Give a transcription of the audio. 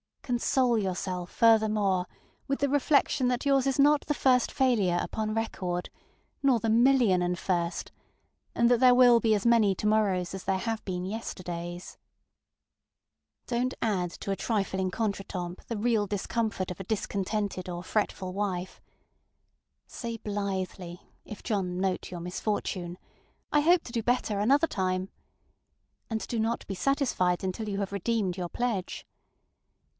Console yourself, furthermore, with the reflection that yours is not the first failure upon record, nor the million and first, and that there will be as many to morrows as there have been yesterdays. DonŌĆÖt add to a trifling contretemps the real discomfort of a discontented or fretful wife. Say blithely, if John note your misfortuneŌĆöŌĆ£I hope to do better another time, ŌĆØ and do not be satisfied until you have redeemed your pledge.